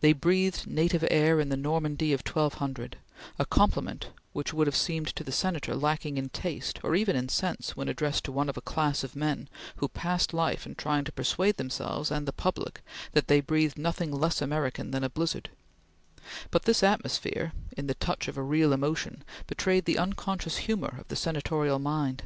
They breathed native air in the Normandy of 1200, a compliment which would have seemed to the Senator lacking in taste or even in sense when addressed to one of a class of men who passed life in trying to persuade themselves and the public that they breathed nothing less American than a blizzard; but this atmosphere, in the touch of a real emotion, betrayed the unconscious humor of the senatorial mind.